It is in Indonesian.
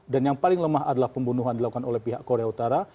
dan yang paling lemah adalah pembunuhan dilakukan oleh pihak korea utara